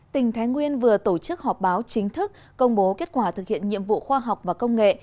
tỉnh thái nguyên vừa tổ chức họp báo chính thức công bố kết quả thực hiện nhiệm vụ khoa học và công nghệ